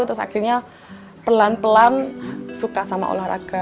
terus akhirnya pelan pelan suka sama olahraga